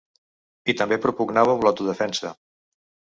I també propugnàveu l’autodefensa.